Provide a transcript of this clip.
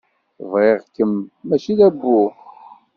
Bɣiɣ-kem mačči d abbu.